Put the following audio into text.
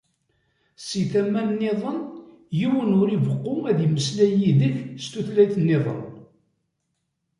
Si tama nniḍen, yiwen ur ibeqqu ad yemmeslay yid-k s tutlayt-iḍen.